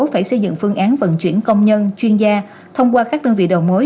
phải xây dựng phương án vận chuyển công nhân chuyên gia thông qua các đơn vị đầu mối